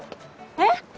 えっ